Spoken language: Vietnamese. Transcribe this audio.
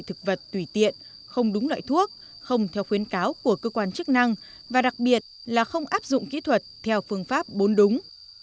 thực vật tùy tiện không đúng loại thuốc không theo khuyến cáo của cơ quan chức năng và đặc biệt là không áp dụng kỹ thuật theo phương pháp bốn đúng